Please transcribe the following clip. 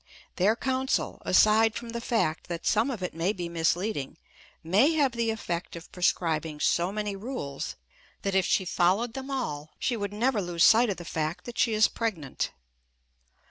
Their counsel, aside from the fact that some of it may be misleading, may have the effect of prescribing so many rules that, if she followed them all, she would never lose sight of the fact that she is pregnant.